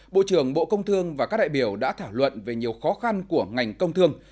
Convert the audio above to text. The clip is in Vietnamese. bộ trưởng bộ công thương và các đại biểu đã thảo luận về nhiều khó khăn của ngành công thương